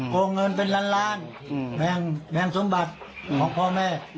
โกงเงินเป็นล้านล้านแบ่งสมบัติของพ่อแม่